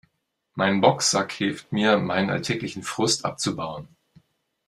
Mein Boxsack hilft mir, meinen alltäglichen Frust abzubauen.